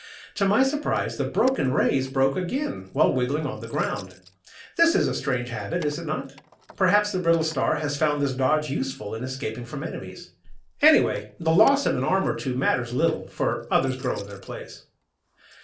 To my surprise, the broken "rays" broke again while wriggling on the ground. This is a strange habit, is it not? Perhaps the Brittle Star has found this dodge useful in escaping from enemies. Anyhow, the loss of an arm or two matters little, for others grow in their place.